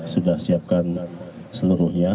sudah siapkan seluruhnya